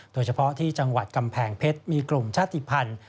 โดยเฉพาะที่จังหวัดกำแพงเพชรมีกลุ่มชาติภัณฑ์